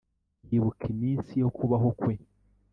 yibuka iminsi yo kubaho kwe